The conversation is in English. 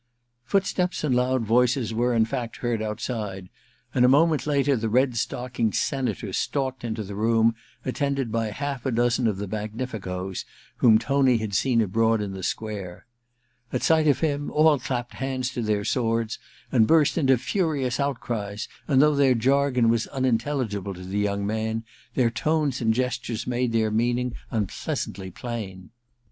Footsteps and loud voices were in fact heard outside, and a moment later the red stockinged Senator stalked into the room attended by half a dozen of the magnificoes whom Tony had seen abroad in the square. At sight of him, all clapped hands to their swords and burst into furious outcries ; and though their jargon was unintelligible to the young man, their tones and gestures made their meaning unpleasantly plain.